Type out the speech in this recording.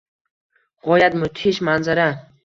G`oyat mudhish manzara